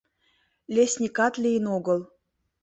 Лесникат лийын огыл.